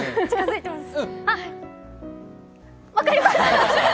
あっ分かりました！